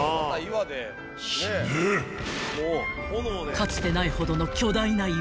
［かつてないほどの巨大な岩］